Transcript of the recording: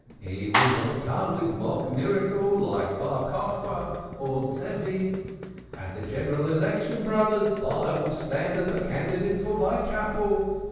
He will not come with mock miracle like Bar Cochba or Zevi. At the general election, brothers, I will stand as the candidate for Whitechapel.